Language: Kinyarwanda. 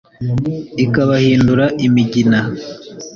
Ikabahindura imigina*.